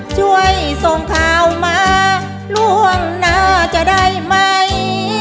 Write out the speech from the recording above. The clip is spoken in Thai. ช่วยส่งข่าวมาล่วงหน้าจะได้ไหม